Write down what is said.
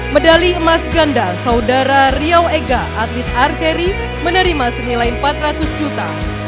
medali emas ganda saudara riau ega atlet arkeri menerima senilai empat ratus juta